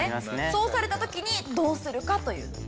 そうされた時にどうするかという。